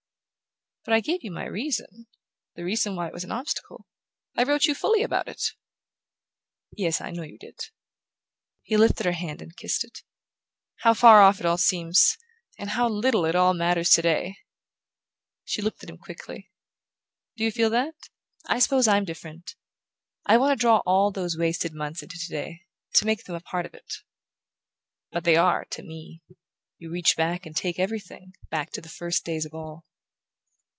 "But I gave you my reason: the reason why it was an obstacle. I wrote you fully about it." "Yes, I know you did." He lifted her hand and kissed it. "How far off it all seems, and how little it all matters today!" She looked at him quickly. "Do you feel that? I suppose I'm different. I want to draw all those wasted months into today to make them a part of it." "But they are, to me. You reach back and take everything back to the first days of all."